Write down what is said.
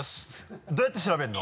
どうやって調べるの？